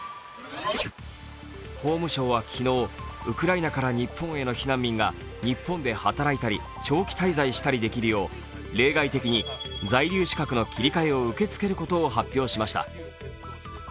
法務省は昨日ウクライナから日本への避難民が日本で働いたり、長期滞在したりできるよう、例外的に在留資格の切り替えを受け付けることを発表しました。